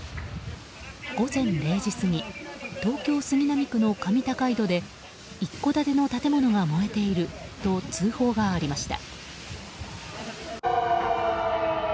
午前０時過ぎ東京・杉並区の上高井戸で一戸建ての建物が燃えていると通報がありました。